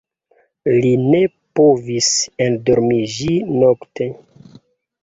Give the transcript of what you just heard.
Li ne povis endormiĝi nokte.